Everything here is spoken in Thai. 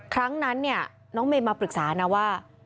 ครั้งนั้นเนี่ยน้องเมย์มาปรึกษานะว่า